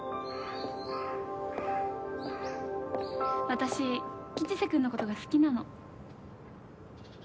私、吉瀬君のことが好きなの。